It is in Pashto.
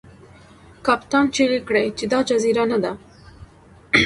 کپتان چیغې کړې چې دا جزیره نه ده.